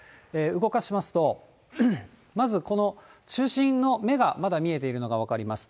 動かしますと、まずこの中心の目がまだ見えているのが分かります。